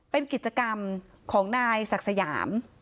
เป็นกิจกรรมของนายศักดิ์สยาม